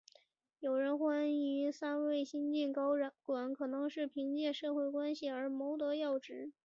有人怀疑三位新晋高管可能是凭借社会关系而谋得要职。